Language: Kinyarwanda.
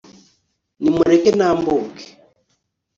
nimureke nambuke